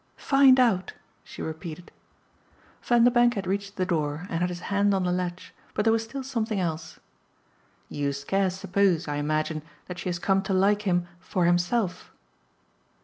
"Find out," she repeated. Vanderbank had reached the door and had his hand on the latch, but there was still something else. "You scarce suppose, I imagine, that she has come to like him 'for himself?"